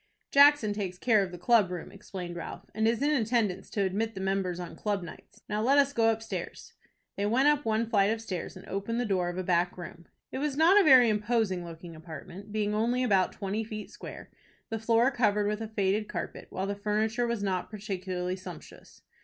"Jackson takes care of the club room," explained Ralph, "and is in attendance to admit the members on club nights. Now let us go upstairs." They went up one flight of stairs, and opened the door of a back room. It was not a very imposing looking apartment, being only about twenty feet square, the floor covered with a faded carpet, while the furniture was not particularly sumptuous.